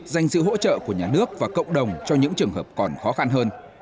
dành sự hỗ trợ của nhà nước và cộng đồng cho những trường hợp còn khó khăn hơn